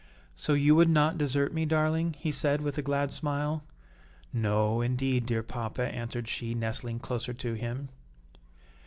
"So you would not desert me, darling?" he said, with a glad smile. "No, indeed, dear papa," answered she, nestling closer to him.